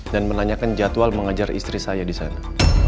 dan menanyakan jadwal mengajar istri saya disana